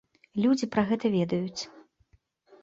Людзі пра гэта ведаюць.